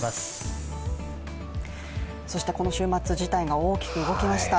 そしてこの週末、事態が大きく動きました。